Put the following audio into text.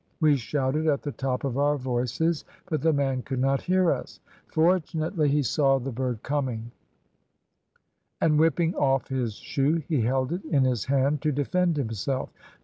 We shouted at the top of our voices, but the man could not hear us. Fortunately he saw the bird coming, and whipping off his shoe he held it in his hand to defend himself.